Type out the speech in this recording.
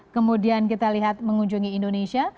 kemudian kita lihat mengunjungi indonesia